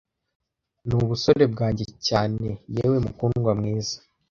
nubusore bwanjye cyane yewe mukundwa mwiza